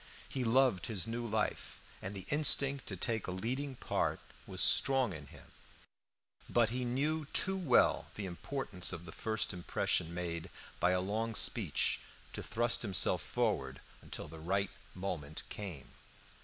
He loved his new life, and the instinct to take a leading part was strong in him, but he knew too well the importance of the first impression made by a long speech to thrust himself forward until the right moment came.